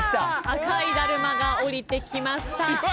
赤いダルマがおりてきました。